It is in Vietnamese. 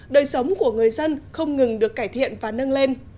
đời sống của người dân không ngừng được cải thiện và nâng lên